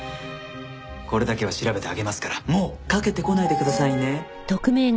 これだけは調べてあげますからもうかけてこないでくださいね。